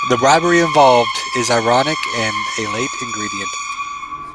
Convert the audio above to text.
The bribery involved is ironic and a late ingredient.